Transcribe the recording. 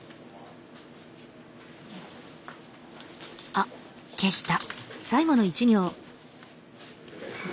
あっ消した。